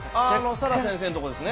サラ先生のとこですね。